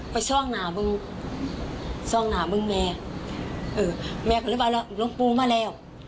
ไปช่องหน้ามึงช่องหน้ามึงแม่แม่เขาเรียกว่าล้องปูมาแล้ว